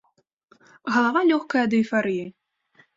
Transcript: Галава лёгкая ад эйфарыі.